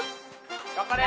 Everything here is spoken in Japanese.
頑張れ！